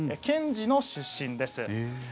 検事の出身です。